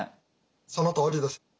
そのとおりです。